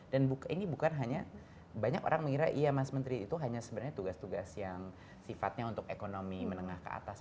dan ini bukan hanya banyak orang mengira iya mas menteri itu hanya sebenarnya tugas tugas yang sifatnya untuk ekonomi menengah ke atas